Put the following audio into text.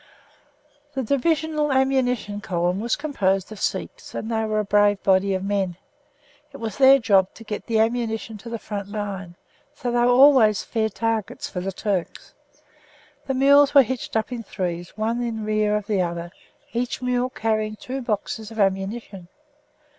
'" The Divisional Ammunition Column was composed of Sikhs, and they were a brave body of men. It was their job to get the ammunition to the front line, so that they were always fair targets for the Turks. The mules were hitched up in threes, one in rear of the other, each mule carrying two boxes of ammunition.